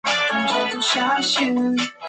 塞默莱人口变化图示